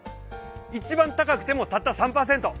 一番高くても、たった３％。